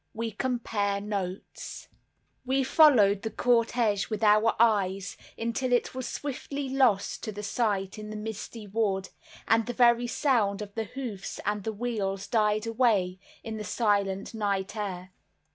We Compare Notes We followed the cortege with our eyes until it was swiftly lost to sight in the misty wood; and the very sound of the hoofs and the wheels died away in the silent night air.